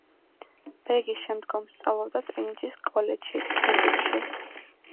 ბრეგი შემდგომ სწავლობდა ტრინიტის კოლეჯში, კემბრიჯში.